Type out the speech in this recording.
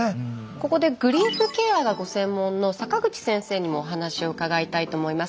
ここでグリーフケアがご専門の坂口先生にもお話を伺いたいと思います。